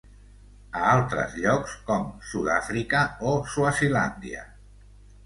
A altres llocs, com Sud-àfrica o Swazilàndia.